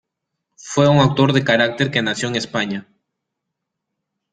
Fue un actor de carácter, que nació en España.